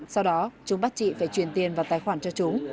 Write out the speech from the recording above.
sau đó chúng bắt chị phải truyền tiền vào tài khoản cho chúng